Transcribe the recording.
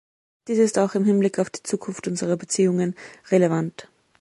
Dies ist auch im Hinblick auf die Zukunft unserer Beziehungen relevant.